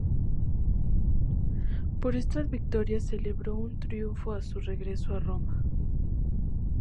Por estas victorias celebró un triunfo a su regreso a Roma.